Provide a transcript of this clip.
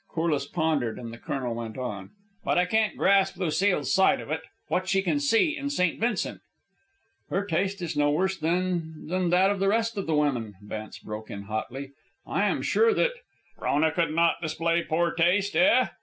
Corliss pondered, and the colonel went on. "But I can't grasp Lucile's side of it. What she can see in St. Vincent " "Her taste is no worse than than that of the rest of the women," Vance broke in hotly. "I am sure that " "Frona could not display poor taste, eh?"